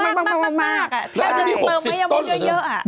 ท่านจะมีหกสิบต้นหรือเยอะอ่ะ